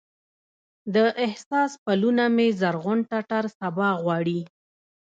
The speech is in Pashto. د احساس پلونه مې زرغون ټټر سبا غواړي